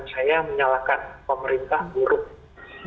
saya menyalahkan pemerintah buruk